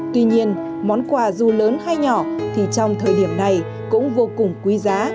tuy nhiên món quà dù lớn hay nhỏ thì trong thời điểm này cũng vô cùng quý giá